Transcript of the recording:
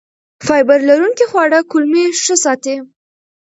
فایبر لرونکي خواړه کولمې ښه ساتي.